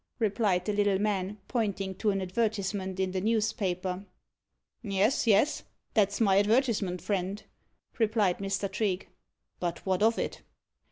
replied the little man, pointing to an advertisement in the newspaper. "Yes, yes, that's my advertisement, friend," replied Mr. Trigge. "But what of it?"